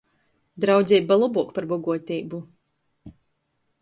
Draudzeiba lobuok par boguoteibu.